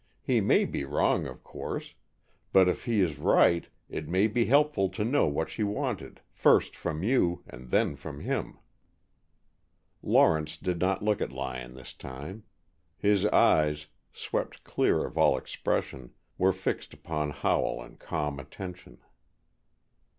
He may be wrong, of course. But if he is right, it may be helpful to know what she wanted, first from you and then from him." Lawrence did not look at Lyon this time. His eyes, swept clear of all expression, were fixed upon Howell in calm attention.